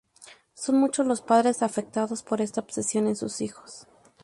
Son muchos los padres afectados por esta obsesión en sus hijos.